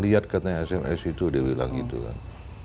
lihat katanya sms itu dia bilang gitu kan